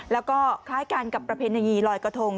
แล้วก็คล้ายกันกับประเพณีลอยกระทง